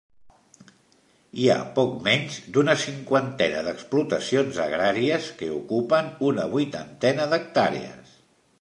Hi ha poc menys d'una cinquantena d'explotacions agràries, que ocupen una vuitantena d'hectàrees.